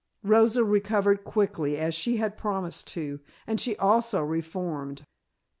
Rosa recovered quickly, as she had promised to, and she also "reformed."